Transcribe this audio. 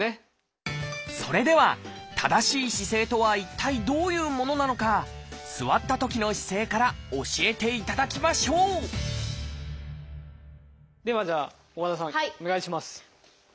それでは正しい姿勢とは一体どういうものなのか座ったときの姿勢から教えていただきましょうではじゃあ大和田さんお願いします。